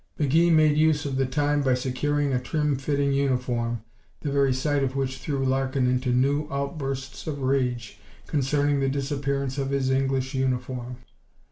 McGee made use of the time by securing a trim fitting uniform, the very sight of which threw Larkin into new outbursts of rage concerning the disappearance of his English uniform.